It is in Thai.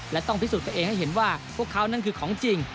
และต้องพิสูจน์ตัวเองให้เห็นว่าพวกเขานั่นคือของจริง